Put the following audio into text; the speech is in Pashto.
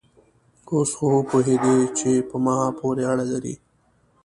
اوس خو وپوهېدې چې په ما پورې اړه لري؟